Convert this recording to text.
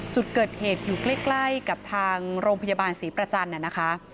จุดเกิดเหตุอยู่ใกล้กับทางโรงพยาบาลศรีประจันทร์นะคะ